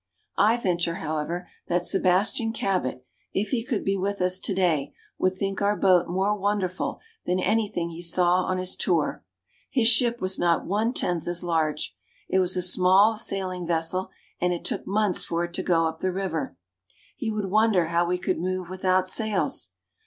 I venture, however, that Sebastian Cabot, if he could be with us to day, would think our boat more wonderful than anything he saw on his tour. His ship was not one tenth as large. It was a small sailing vessel, and it took months for it to go up the river. He would wonder how we could move without sails.